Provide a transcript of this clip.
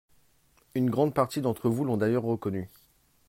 Une grande partie d’entre vous l’ont d’ailleurs reconnu.